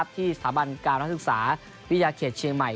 ที่สถาบันการนักศึกษาวิทยาเขตเชียงใหม่